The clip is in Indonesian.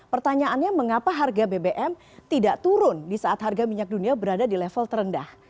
pertanyaannya mengapa harga bbm tidak turun di saat harga minyak dunia berada di level terendah